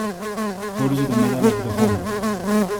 χώριζε το μέταλλο από το χώμα